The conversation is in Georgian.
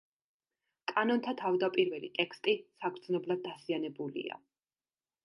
კანონთა თავდაპირველი ტექსტი საგრძნობლად დაზიანებულია.